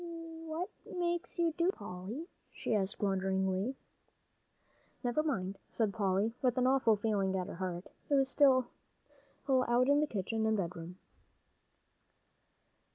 "What makes you do so, Polly?" she asked wonderingly. "Never mind," said Polly, with an awful feeling at her heart, it was so still out in the kitchen and bedroom.